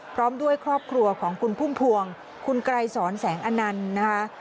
พร้อมด้วยครอบครัวของคุณพุ่มพวงคุณไกรสอนแสงอนันต์นะคะ